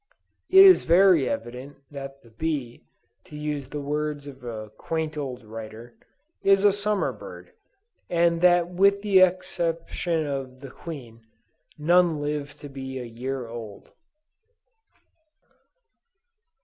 It is very evident that "the bee," (to use the words of a quaint old writer,) "is a summer bird," and that with the exception of the queen, none live to be a year old.